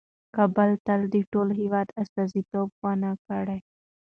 کابل تل د ټول هېواد استازیتوب ونه کړ.